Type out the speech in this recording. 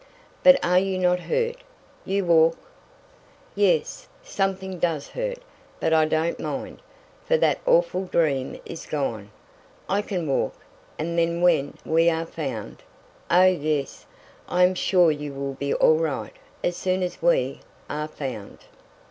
"But are you not hurt? You walk " "Yes, something does hurt, but I don't mind, for that awful dream is gone. I can walk, and then when we are found " "Oh, yes. I am sure you will be all right as soon as we are found!"